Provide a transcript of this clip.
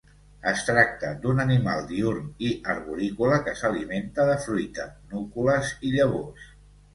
Es tracta d'un animal diürn i arborícola que s'alimenta de fruita, núcules i llavors.